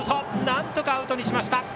なんとかアウトにしました。